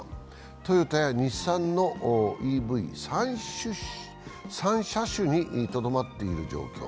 トヨタや日産のＥＶ３車種にとどまっている状況。